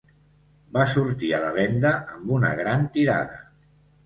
Va sortir a la venda amb una gran tirada.